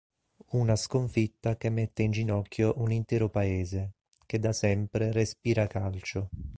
Una sconfitta che mette in ginocchio un intero paese, che da sempre respira calcio.